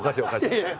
いやいや。